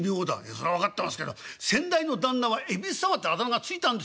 「そら分かってますけど先代の旦那は恵比寿様ってあだ名が付いたんですよ？